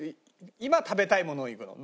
今食べたいものをいくの？